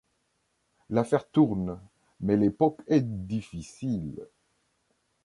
L'affaire tourne, mais l'époque est difficile.